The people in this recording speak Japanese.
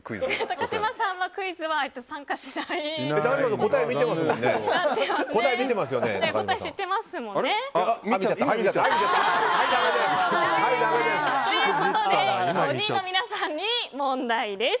高嶋さんはクイズは参加しないということになっています。